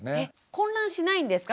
混乱しないんですか？